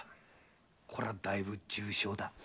こりゃだいぶ重症だ。